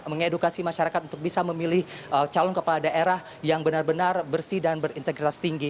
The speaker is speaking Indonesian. mengedukasi masyarakat untuk bisa memilih calon kepala daerah yang benar benar bersih dan berintegritas tinggi